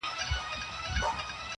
زه د نصیب له فیصلو وم بېخبره روان-